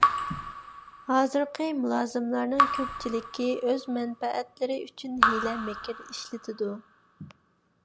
ھازىرقى مۇلازىملارنىڭ كۆپچىلىكى ئۆز مەنپەئەتلىرى ئۈچۈن ھىيلە - مىكىر ئىشلىتىدۇ.